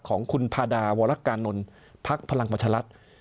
ของคุณพาดาวรรคกานนลพรรคพลังปัชรัฐ